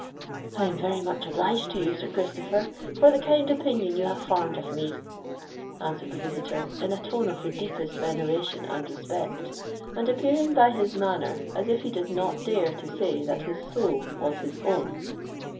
"I am very much obliged to you, Sir Christopher, for the kind opinion you have formed of me," answered the visitor in a tone of the deepest veneration and respect, and appearing by his manner as if he did not dare to say that his soul was his own.